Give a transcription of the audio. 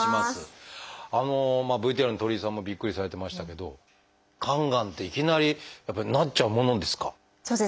ＶＴＲの鳥居さんもびっくりされてましたけど肝がんっていきなりやっぱりなっちゃうものですか？